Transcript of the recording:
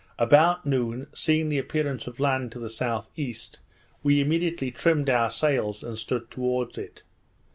About noon, seeing the appearance of land to the S.E., we immediately trimmed our sails and stood towards it.